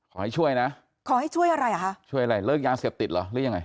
ขอให้ช่วยนะขอให้ช่วยอะไรเหรอคะช่วยอะไรเลิกยาเสพติดเหรอหรือยังไง